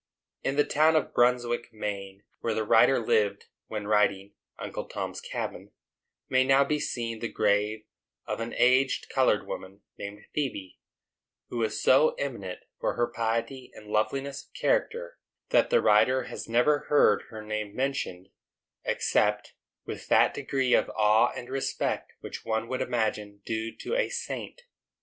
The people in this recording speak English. In the town of Brunswick, Maine, where the writer lived when writing "Uncle Tom's Cabin," may now be seen the grave of an aged colored woman, named Phebe, who was so eminent for her piety and loveliness of character, that the writer has never heard her name mentioned except with that degree of awe and respect which one would imagine due to a saint.